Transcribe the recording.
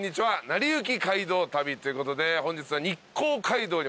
『なりゆき街道旅』ということで本日は。